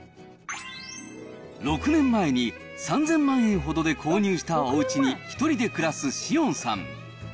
６年前に３０００万円ほどで購入したおうちに１人で暮らす紫苑さん。